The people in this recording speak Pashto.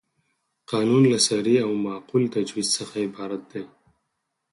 قانون له صریح او معقول تجویز څخه عبارت دی.